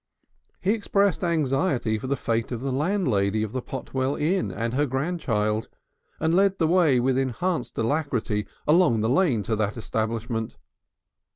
He expressed anxiety for the fate of the landlady of the Potwell Inn and her grandchild, and led the way with enhanced alacrity along the lane to that establishment.